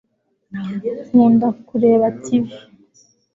nkunda kureba tv